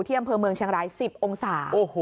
อำเภอเมืองเชียงราย๑๐องศา